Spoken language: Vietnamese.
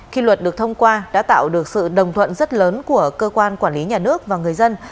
khi luật được thông qua đã tạo được sự đồng thuận rất lớn của cơ quan quản lý nhà nước và người dân